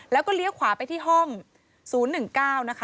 แล้วก็เลี้ยวขวาไปที่ห้องศูนย์๑๙